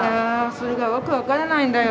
それが訳分からないんだよ